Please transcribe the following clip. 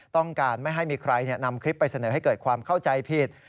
ต้องการไม่ให้มีใครนำคลิปไปเสนอให้เกิดความเข้าใจผิด